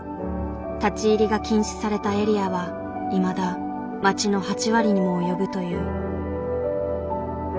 立ち入りが禁止されたエリアはいまだ町の８割にも及ぶという。